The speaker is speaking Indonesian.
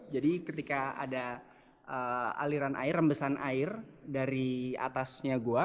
jadi ketika ada aliran air rembesan air dari atasnya goa